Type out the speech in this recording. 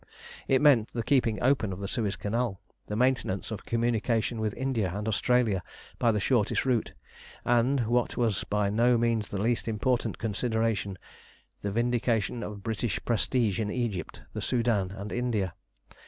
It meant the keeping open of the Suez Canal, the maintenance of communication with India and Australia by the shortest route, and, what was by no means the least important consideration, the vindication of British prestige in Egypt, the Soudan, and India.